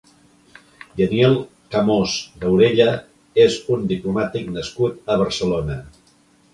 Daniel Camós Daurella és un diplomàtic nascut a Barcelona.